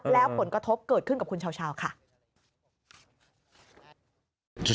แล้วผลกระทบเกิดขึ้นกับคุณชาวค่ะ